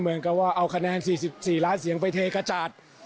เหมือนกับว่าเอาคะแนน๔๔ล้านเสียงไปเทกระจาด